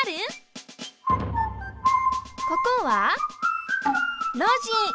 ここは「路地」。